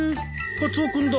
カツオ君だ。